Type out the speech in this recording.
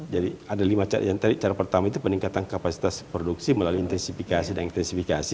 jadi ada lima cara yang tadi cara pertama itu peningkatan kapasitas produksi melalui intensifikasi dan ekstensifikasi